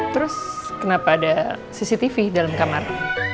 terus kenapa ada cctv dalam kamar